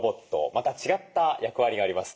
また違った役割があります。